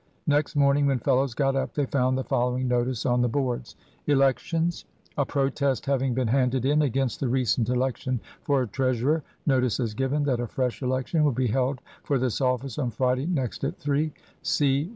Next morning, when fellows got up, they found the following notice on the boards: "Elections. "A protest having been handed in against the recent election for treasurer, notice is given that a fresh election will be held for this office on Friday next at 3. "C.